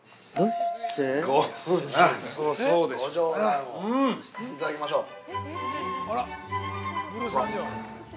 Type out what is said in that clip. ◆いただきましょう。